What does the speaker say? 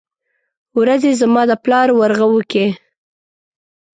ورځې زما د پلار ورغوو کې ،